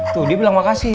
tuh dia bilang makasih